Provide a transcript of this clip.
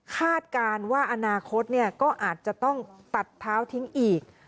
คาดการณ์ว่าอนาคตก็อาจจะต้องตัดเท้าทิ้งอีก